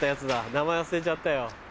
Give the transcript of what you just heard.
名前忘れちゃったよ。